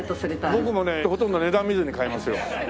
僕もねほとんど値段を見ずに買いますよ。